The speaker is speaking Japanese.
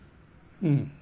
うん。